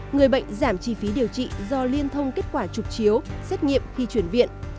người bệnh giảm chi phí điều trị do liên thông kết quả trục chiếu xét nghiệm khi chuyển viện